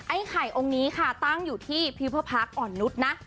ไอ้ไข่องค์นี้ค่ะตั้งอยู่ที่ภิพภาคอ่อนนุษย์นะ